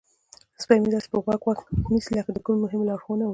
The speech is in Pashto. سپی مې داسې په غور غوږ نیسي لکه د کومې مهمې لارښوونې اوریدل.